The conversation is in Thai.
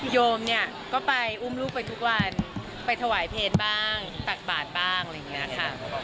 โยมเนี่ยก็ไปอุ้มลูกไปทุกวันไปถวายเพลงบ้างตักบาทบ้างอะไรอย่างนี้ค่ะ